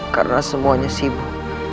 karena semuanya sibuk